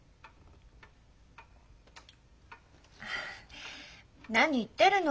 あ何言ってるの？